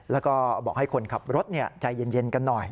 แล้วก็บอกให้คนขับรถใจเย็นกันหน่อย